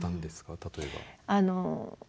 例えば。